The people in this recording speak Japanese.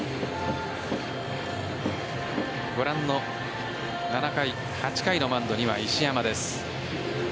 ご覧の８回のマウンドには石山です。